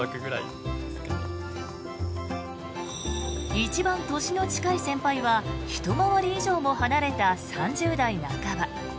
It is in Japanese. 一番年の近い先輩はひと回り以上も離れた３０代半ば。